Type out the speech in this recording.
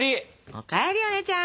お帰りお姉ちゃん。